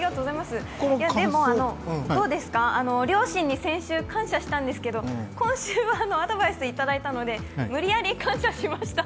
でも、両親に先週感謝したんですけど今週はアドバイスいただいたので無理やり感謝しました。